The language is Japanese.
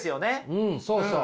うんそうそう。